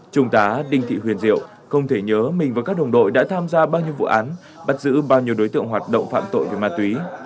trung tá đinh thị huyền diệu không thể nhớ mình và các đồng đội đã tham gia bao nhiêu vụ án bắt giữ bao nhiêu đối tượng hoạt động phạm tội về ma túy